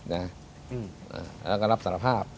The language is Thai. แล้วก็รับสารภาพ